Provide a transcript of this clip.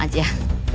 hanya salah paham aja